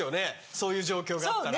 そういう状況があったら。